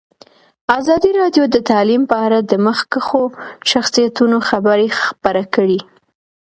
ازادي راډیو د تعلیم په اړه د مخکښو شخصیتونو خبرې خپرې کړي.